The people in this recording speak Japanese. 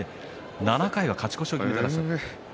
７回は勝ち越しを決めています。